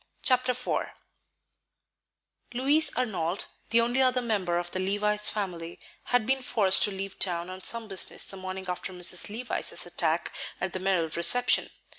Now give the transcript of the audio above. Chapter IV Louis Arnold, the only other member of the Levice family, had been forced to leave town on some business the morning after Mrs. Levice's attack at the Merrill reception.